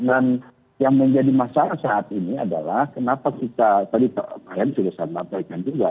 dan yang menjadi masalah saat ini adalah kenapa kita tadi pak heri sudah sampaikan juga